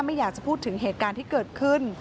ไม่อยากจะพูดถึงเหตุการณ์ที่เกิดขึ้น